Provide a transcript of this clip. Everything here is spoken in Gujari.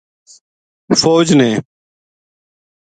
فوج نے